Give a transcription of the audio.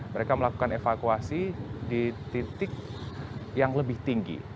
mereka melakukan evakuasi di titik yang lebih tinggi